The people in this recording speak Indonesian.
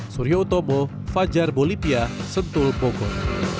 surya utomo fajar bolivia sentul pokok